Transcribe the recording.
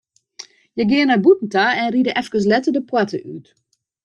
Hja geane nei bûten ta en ride eefkes letter de poarte út.